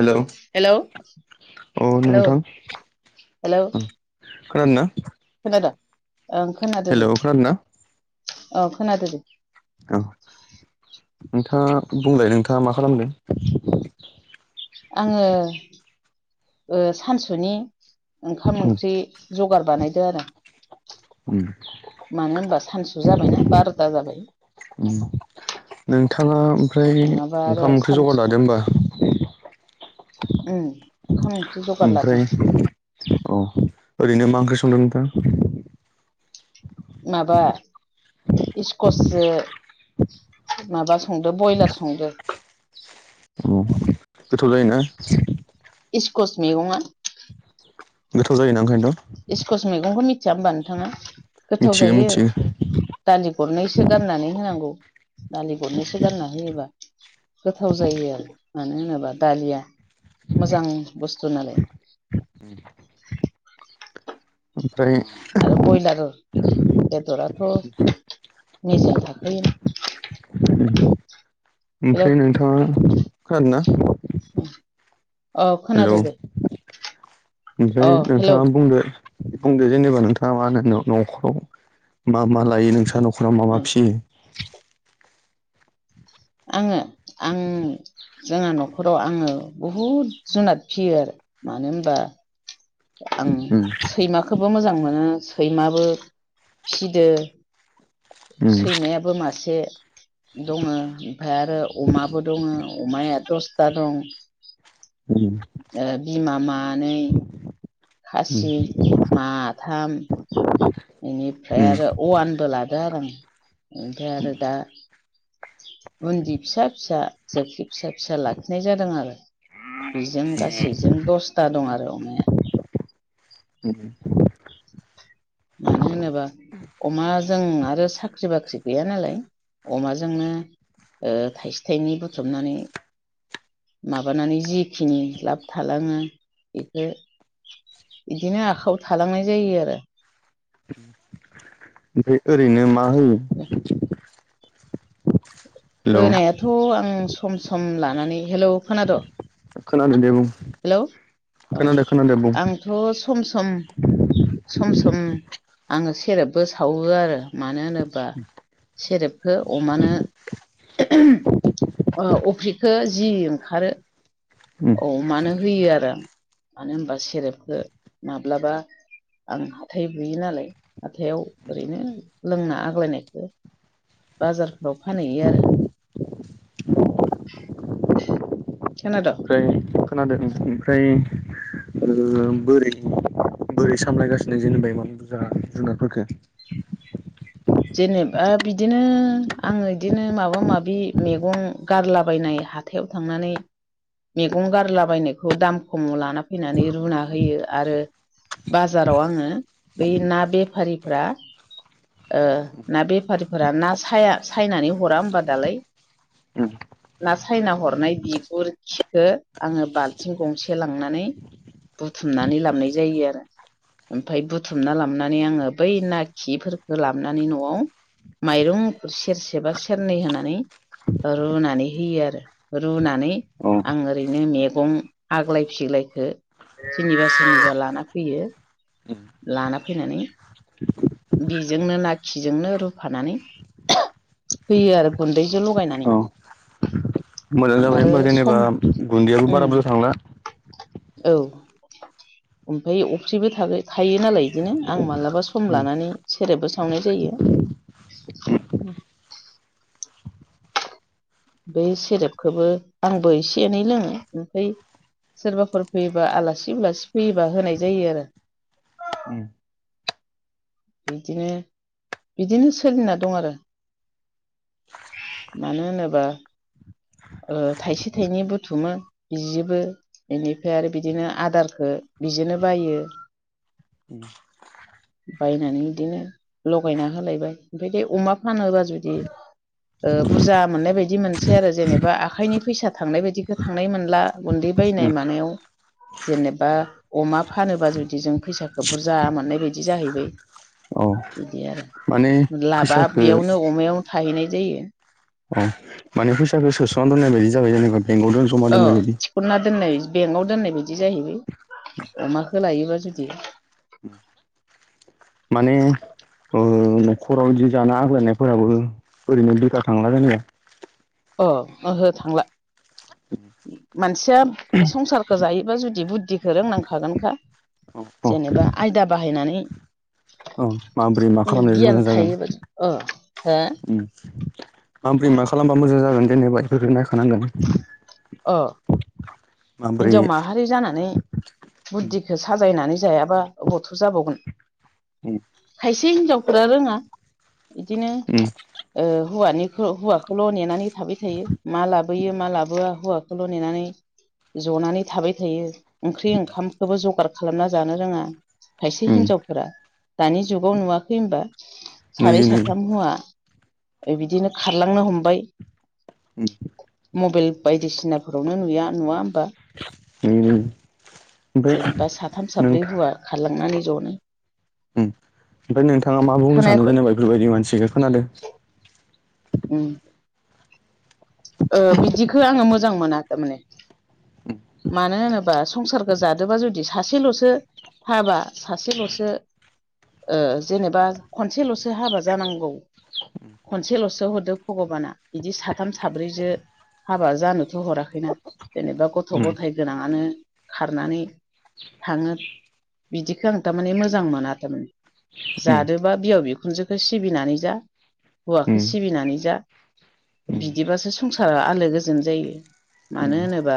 हेल' hello hello [unintelligible] अ hello नोंथां hello खोनादोंना? खोनादों ओं खोनादो दे खोनादों ना ओ खोनादो दे औ नोंथाङा बुंलाय नोंथाङा मा खालामदों? आङो ओ सानसुनि ओंखाम उम ओंख्रि जगार बानायदो आरो उम मानो होनबा सानसु जाबायना बार'था जाबाय उम नोंथाङा ओमफ्राय नङाबा आरो ओंखाम ओंख्रि जगार सानसु लादो होमबा उम ओंखाम ओंख्रि ज ओमफ्राय अ ओरैनो मा ओंख्रि संदों नोंथां माबा इस्कस सो माबा संदो बयलार संदो औ गोथाव जायोना? इस्कस मैगंआ गोथाव जायो ना ओखायनोथ' इस्कस मैगंखौ मिथिया होमबा नोंथाङा गोथाव मिथिगो जायो। मिथियो दालि गरनैसो गारनानै होनांगौ दालि गरनैसो गानना होयोबा गोथाव जायो आरो मानो होनोबा दालिया मोजां बुस्थु नालाय [inaudible] ओमफ्राय आरो बयलार बेदराथ' मेजेम थाखायो उम हेलौ ओमफ्राय नोंथांङा खोनादोंना? अ हेल' खोनादो दे अ ओमफाय हेलौ नोंथाङा बुंदो बुंदो जेनेबा नोंथाङा मा होनो न'खराव मा मा लायो नोंस्रा न'खराव मा मा फियो? आङो आं जोंहा न'खराव आङो बुहुद जुनाद फियो आरो मानो होनबा आं उम सैमखोबो मोजां मोनो सैमाबो फिदो उम सैमायाबो मासे दंङो ओमफ्राय आरो अमाबो दंङो अमाया दसथा दं। उम ओ बिमा मानै उम खासि माथाम बेनिफ्राय उम आरो अवानबो ला ङो आरों ओमफ्राय आरो दा बुन्दि फिसा फिसा जोख्लि फिसा फिसा लाखिनाय जादों आरो। इजों गासैजों दसथा दं आरो अमाया। हुहुम मानो होनोबा अमाजों आरो साख्रि बाख्रि गैया नालाय अमाजोंनो ओ थाइसे थाइनै बुथुमनानै माबानानै जिखिनि लाब थालांङो बेखो इदिनो आखाइायाव थालांनाय जायो आरो। ओमफाय ओरैनो मा होयो? हेलौ होनायाथ' आं सम सम लानानै हेलौ खोनाद'? खोनादों दे बुं खोनादो खोनादो बुं थ' सम सम सम सम आंङो सेरेबबो सावो आरो। मानो होनोब्ला सेरेबखौ अमानो अ अफ्रिखौ जि ओंखारो उम अमानो होयो आरो मानो होनबा सेरेपखौ माब्लाबा आं हाथाय बुयो नालाय हाथायाव ओरैनो लोंना आग्लायनायखो बाजारफोराव फानहैयो आरो। खोना दो? ओमफ्राय खोनादों ओं ओमफ्राय ओ बोरि बोरि सामलायगासिनो जेनेबाय इमान बुरजा जुनारफोरखो जेनेबा बिदिनो आंङो इदिनो माबा माबि मैगं गारलाबायनाय हाथ थायाव थांनानै मैगं गारलाबायनायखौ दाम खम लाना फैनानै रुना होयो आरो बाजाराव आंङो बै ना बेफारिफ्रा ओ ना बेफारिफोरा ना साया सायनानै हरा होमबा दालाय उम ना सायना हरनाय बिगुर खिखौ आंङो बाल्थिं गंसे लांनानै बुथुमनानै लाबनाय जायो आरो। ओमफाय बुथुमना लाबनानै आंङो बै ना खिफोर होलाबनानै न'आव माइरं सेरसे बा सेरनै होनानै रुनानै होयो आरो रुनानै उम आं ओरैनो मैगं आग्लाय फिग्लायखो सोरनिबा सोरनिबा लाना फैयो लाना फैनानै बिजोंनो ना खिजोंनो रुफानानै होयो आरो गुन्दैजों अ लगायनानै औ मोजां आं जाबाय आरो हा सम जेनेबा गुन्दैयाबो उम बारा बुरजा थांला औ ओमफ्राय अफ्रिबो थागोन थायो नालाय बिदिनो आं मालाबा सम लानानै सेरेबबो सावनाय जायो बे सेरेपखौबो आंबो एसे एनै लोंङो ओमफ्राय सोरबाफोर फैयोबा आलासि उलासि फैयोबा होनाय जायो आरो। उम बिदिनो बिदिनो सोलिना दं आरो। मानो होनोबा ओ थाइसे थाइनै बुथुमो जियोबो इनिफ्राय आरो बिदिनो आदारखौ बिजोंनो बायो। उम बायनानै इदिनो लगायना होलायबाय ओमफाय बे अमा फानोबा जुदि ओ बुरजा मोननाय बायदि मोनसै आरो जेनेबा आखाइनि फैसा थांनाय बायदिखो थांनाय मोनला गुन्दै उम बायनाय मानायाव जेनेबा अमा फानोबा जुदि जों फैसाखो बुरजा मोननाय बाय दि जाहैबाय औ बिदि माने आरो लाबा फैसाखो बेयावनो अमायाव थाहैनाय जायो। अ माने फैसाखौ सोस'ना दोननाय बायदि जाबाय जेनेबा बेंकआव दोन जमा ओ दोननाय बायदि थिखनना दोननाय बेंकआव दोननाय बायदि जाहैबाय अमाखौ लायोबा जुदि माने ओ न'खराव बिदि जाना आग्लायनायफोराबो ओरैनो लखााखांला जानाया [unintelligible] अ ओहो थांला मानसिया संसारखो जायोबा जुदि बुद्धिखौ रोंनांखागोनखा जेनेबा आयदा बाहायनानै ओ माबोरै मा खालामनाय गियान मोजां जागोन? थायोबा अ हो उम आमफ्राय मा खालामबा मोजां जागोन जेनेबा इफोरखौ नायखानांगोन। अ माबोरै हिन्जाव माहारि जानानै बुद्धिखो साजायनानै जायाबा अबावथ' जाबावगोन। उम खायसे हिनजावफोरा रोंङा बिदिनो उम ओ हौवानिखौ हौवाखौल' नेनानै थाबाय थायो मा लाबोयो मा लाबोआ हौवा खौल' नेनानै जनानै थाबाय थायो ओंख्रि ओंखामखौबो जगार खालामना जानो रोंङा। खायसे उम हिनजावफोरा दानि जुगाव नुवाखै होनबा? सानै नुयो नुयो साथाम हुवा बिदिनो खारलांनो हमबाय। [inaudible] मबाइल बायदिसिनाफोरावनो नुया नुवा होमबा? नुयो नुयो जेनेबा साथाम साब्रै हौवा खारलांनानै जनो उम ओमफ्राय नोंथांङा मा बुंनो सानो खोनायाखै जेनेबा इफोरबायदि मानसिखो खोनादो उम ओ बिदिखो आंङो मोजां मोना थारमाने। मानो होनोबा संसार जादोबा जुदि सासेल'सो हाबा सासेल'सो ओ जेनेबा खनसेल'सो हाबा जानांगौ खनसेल'सो हरदो भगबाना बिदि साथाम साब्रैजो हाबा जानोथ' हराखैना जेनेबा गथ' उम गथाय गोनाङानो खारनानै थाङो बिदिखो आं थारमाने मोजां मोना थारमाने। उम जादोबा बिहाव बिखुनजोखौ सिबिनानै जा उम हौवाखौ सिबिनानै जा उम बिदिबासो संसारा आलो गोजोन जायो। मानो होनोबा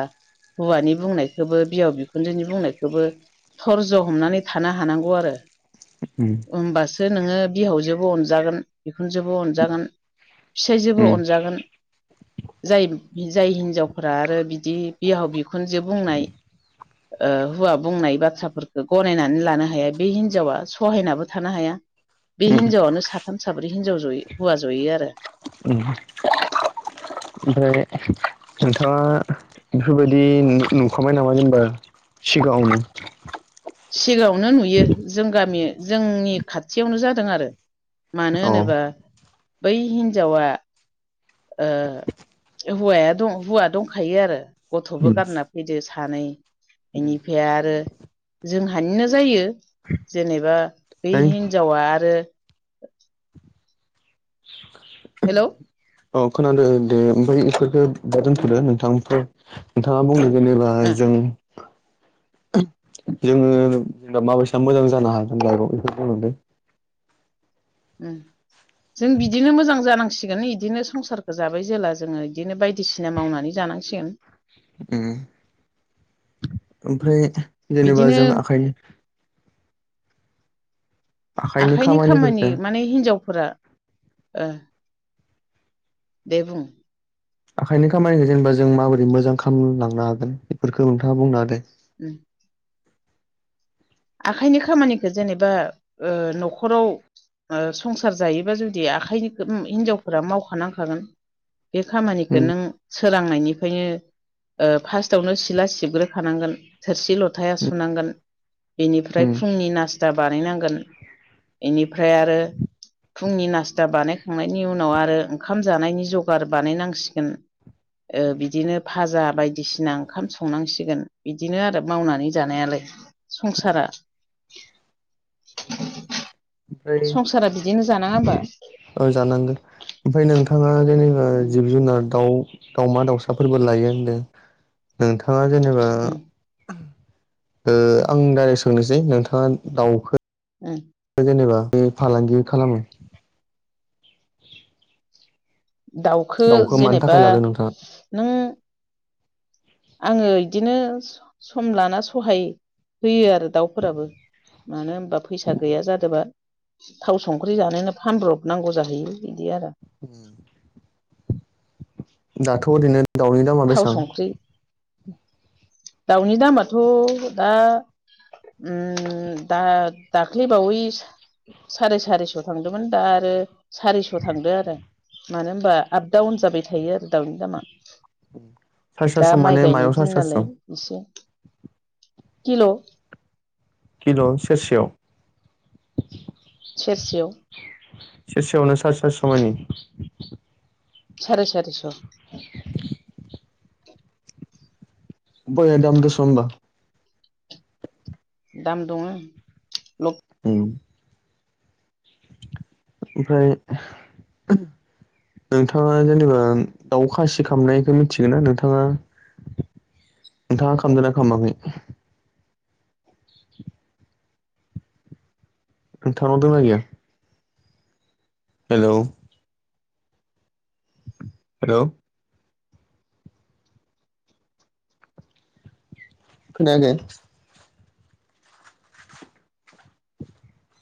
हौवानि बुंनायखौबो बिहाव बिखुनजोनि बुंनायखौबो धर्ज हमनानै थानो हानांगौ आरो उम ओमबासो नोङो बिहावजोबो अनजागोन बिखुनजोबो अनजागोन फिसाइजोंबो अनजागोन जाय जाय हिनजावफोरा आरो इदि बिहाव बिखुनजो बुंनाय ओ हौवा बुंनाय बाथ्राफोरखौ गनायनानै लानो हाया बे हिनजावा सहायनाबो थानो हाया। बे उम हिनजावनो साथाम साब्रै हिनजाव जयो हौवा जयो आरो। उम ओमफ्राय नोंथांङा बेफोरबायदि नु-नुखाबाय नामा जेनेबा सिगांङावनो? सिगांङावनो नुयो जों गामि जोंनि खाथियावनो जादों आरो। मानो औ होनोबा बै हिन्जावा ओ हौवाया दं हौवा दंखायो आरो गथ'बो गारना बिदि सानै ओमफ्राय बेनिफाय आरो जोंहानिनो जायो जेनेबा बे हिन्जावा आरो हेलौ औ खोनादो दे ओमफाय इफोरखो दा उम दोनथ'दो नोंथां नोंथाङा बुं जेनेबा ओ जों जोङो जेनेबा माबायसा मोजां जानो हागोन लाइफ आव बेखौ बुंलांदो उम जों बिदिनो मोजां जानांसिगोन इदिनो संसारखौ जाबाय जेला जोङो इदिनो बायदिसिना मावनानै जानांसिगोन। ओम ओमफ्राय जेनेबा बिदिनो जों आखाइनि आखाइनि खामानि माने हिन्जावफोरा ओ दे बुं आखाइनि खामानिखौ जेनेबा जों माबोरै मोजां खालामलांनो हागोन बेफोरखौ नोंथाङा बुंना हो दे उम आखाइनि खामानिखो जेनेबा ओ न'खराव ओ संसार जायोबा जुदि आखाइनि खो उम हिनजावफोरा मावखानांखागोन बे उम खामानिखो नों सोरांनायनिफ्रायनो फार्स्टावनो सिला सिबग्रोखानांगोन। थोरसि लथाया उम सुनांगोन। इनिफ्राय फुंनि नास्ता बानायनांगोन इनिफ्राय आरो फुंनि नास्टा बानायखांनायनि उनाव आरो ओंखाम जानायनि जगार बानायनांसिगोन ओ उम बिदिनो भाजा बायदिसिना ओंखाम संनांसिगोन बिदिनो आरो मावनानै जानायालाय। संसारा संसारा बिदिनो जानाङा ओमबा औ जानांगोन ओमफ्राय नोंथाङा जेनेबा उम जिब जुनार दाउ दाउमा दाउसाफोरबो लायो होनदों नोंथाङा जेनेबा उम ओ आं डाइरेक सोंनोसै नोंथाङा दाउखो उम जेनेबा बे फालांगि खालाम दाउखो दाउखौ मानि जेनेबा थाखाय लादों नोंथाङा नों आङो इदिनो सम लाना सहाय होयो आरो दाउफोराबो मानो होनबा फैसा गैया जादोबा थाव संख्रि जानोनो फानब्रब नांगौ जाहैयो बिदि आरो उम दाथ' ओरैनो दाउनि दामा थाव बेसेबां संख्रि दाउनि दामाथ' दा उम दा दाख्लै बावैसो साराय सारिस' थांदोंमोन दा आरो सारिस' थांदो आरो मानो होमबा आप दाउन जाबाय थायो आरो दाउनि दामा साराय दा सारिस' माइ माने गायनाय मायाव दिन साराय नालाय सारिस' एसे हेल' किल' सेरसेआव सेरसेयाव सेरसेयावनो सारि सारिस मानि सारि सारि स' [unintelligible] बया दाम दसं ओमबा दाम दङो ओम ओमफ्राय नोंथांआ जेनोबा दाउ खासि खामनायखौ मिथिगोन ना नोंथांआ [unintelligible] नोंथांआ खामदो ना खामाखै नोंथांनाव दंना गैया हेलौ हेलौ नो गे [unintelligible] [inaudible]